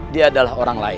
dia adalah orang lain